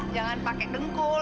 jangan pakai dengkul